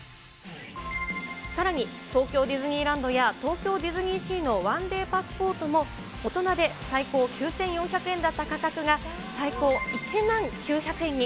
さらに、東京ディズニーランドや東京ディズニーシーの１デーパスポートも、大人で最高９４００円だった価格が、最高１万９００円に。